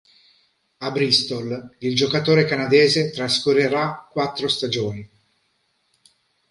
A Bristol, il giocatore canadese trascorrerà quattro stagioni.